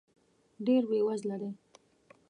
ډېر بې وزله دی .